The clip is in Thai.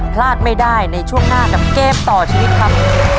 พลาดไม่ได้ในช่วงหน้ากับเกมต่อชีวิตครับ